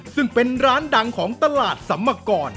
ซึ่งเป็นร้านดังของตลาดสัมมกร